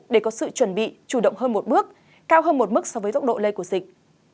để có sự chuẩn bị chủ động hơn một bước cao hơn một mức so với tốc độ lây của dịch